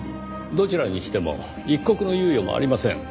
どちらにしても一刻の猶予もありません。